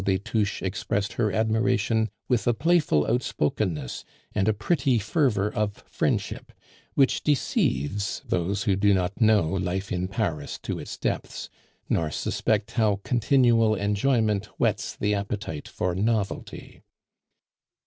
des Touches expressed her admiration with a playful outspokenness and a pretty fervor of friendship which deceives those who do not know life in Paris to its depths, nor suspect how continual enjoyment whets the appetite for novelty.